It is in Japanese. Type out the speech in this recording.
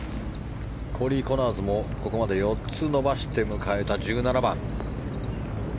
コーリー・コナーズもここまで４つ伸ばして迎えた１７番。